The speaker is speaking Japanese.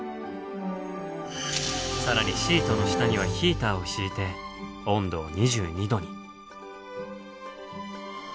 更にシートの下にはヒーターを敷いて温度を２２度に。